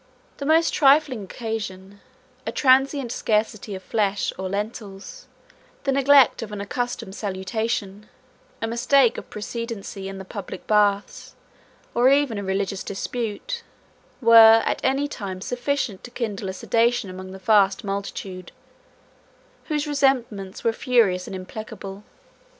The most trifling occasion, a transient scarcity of flesh or lentils, the neglect of an accustomed salutation, a mistake of precedency in the public baths, or even a religious dispute, 173 were at any time sufficient to kindle a sedition among that vast multitude, whose resentments were furious and implacable.